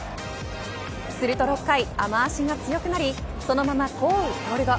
すると６回、雨脚が強くなりそのまま降雨コールド。